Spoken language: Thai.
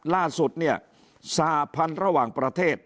ล่าสุดเนี่ยสหพันธ์ระหว่างประเทศ